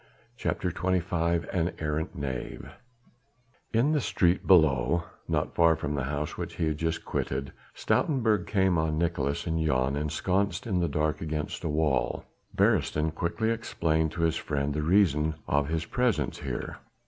CHAPTER XXV AN ARRANT KNAVE In the street below, not far from the house which he had just quitted, Stoutenburg came on Nicolaes and Jan ensconced in the dark against a wall. Beresteyn quickly explained to his friend the reason of his presence here.